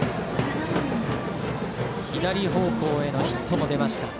左方向へのヒットも出ました。